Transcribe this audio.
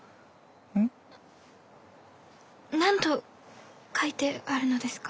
ん？何と書いてあるのですか？